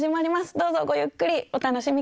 どうぞごゆっくりお楽しみください。